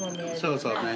そうそうね。